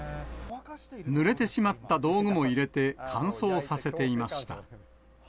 ぬれてしまった道具も入れて、乾燥させていました。